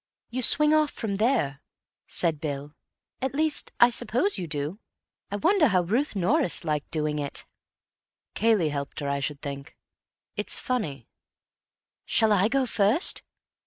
"You swing off from there," said Bill. "At least, I suppose you do. I wonder how Ruth Norris liked doing it." "Cayley helped her, I should think.... It's funny." "Shall I go first?"